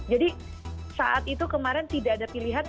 jadi saat itu kemarin tidak ada pilihan